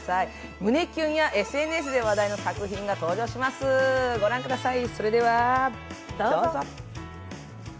胸キュンやＳＮＳで話題の作品が登場します、御覧ください。